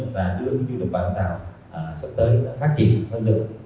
và đưa những tiết điểm vũng tàu sắp tới phát triển hơn nữa